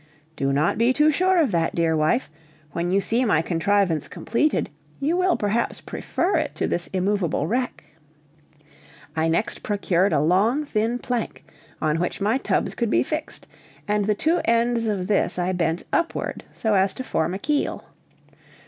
"Do not be too sure of that, dear wife; when you see my contrivance completed, you will perhaps prefer it to this immovable wreck." I next procured a long, thin plank, on which my tubs could be fixed, and the two ends of this I bent upward so as to form a keel.